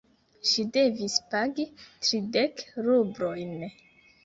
Ŝi devis pagi tridek rublojn.